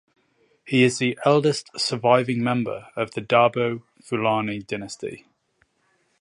He is the eldest surviving member of the Dabo Fulani Dynasty.